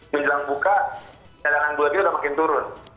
menjelang buka cadangan gula itu udah makin turun